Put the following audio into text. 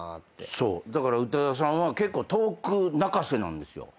そうだから宇多田さんは結構トーク泣かせなんですよ。